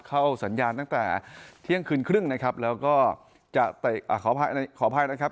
เข้าสัญญาณตั้งแต่เที่ยงคืนครึ่งนะครับแล้วก็จะขออภัยนะครับ